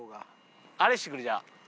あれしてくれじゃあ。